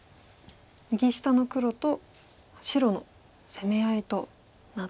右下の黒と白の攻め合いとなっております。